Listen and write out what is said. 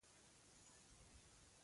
مچمچۍ د خوږو بویو ته ورځي